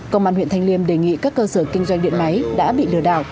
công an huyện thanh liêm đề nghị các cơ sở kinh doanh điện máy đã bị lừa đảo